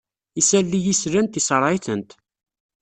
Isalli i slant isreɛ-itent.